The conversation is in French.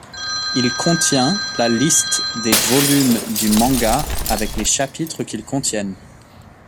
Il contient la liste des volumes du manga, avec les chapitres qu’ils contiennent.